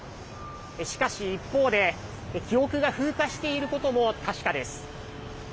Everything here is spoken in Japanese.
しかし、一方で記憶が風化していることも確かです。